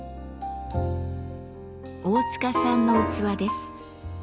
大塚さんの器です。